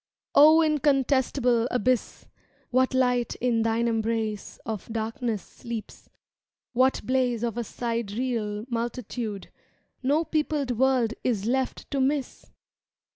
O incontestable Abyss, What light in thine embrace of darkness sleeps— What blaze of a sidereal multitude ^^ No peopled world is left to miss!